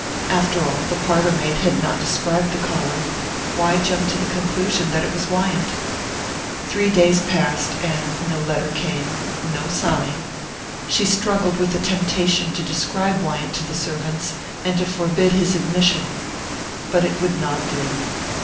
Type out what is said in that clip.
After all, the parlour maid had not described the caller why jump to the conclusion that it was Wyant? Three days passed, and no letter came no sign. She struggled with the temptation to describe Wyant to the servants, and to forbid his admission. But it would not do.